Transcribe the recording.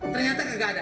ternyata ga ada